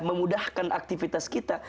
memudahkan aktivitas kita